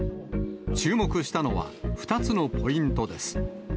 注目したのは２つのポイントです。